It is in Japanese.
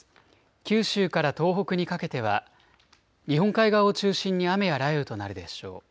九州から東北にかけては日本海側を中心に雨や雷雨となるでしょう。